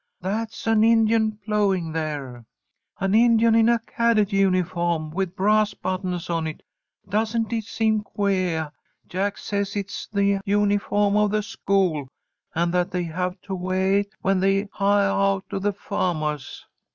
"That's an Indian ploughing there! An Indian in a cadet unifawm, with brass buttons on it. Doesn't it seem queah? Jack says it's the unifawm of the school, and that they have to weah it when they hiah out to the fahmahs.